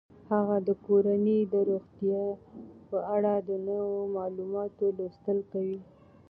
هغې د کورنۍ د روغتیا په اړه د نویو معلوماتو لوستل کوي.